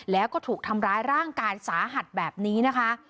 แล้วก็ถูกทำร้ายร่างกายสาหัสแบบนี้นะคะ